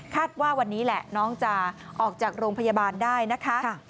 ว่าวันนี้แหละน้องจะออกจากโรงพยาบาลได้นะคะ